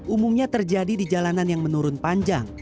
umumnya terjadi di jalanan yang menurun panjang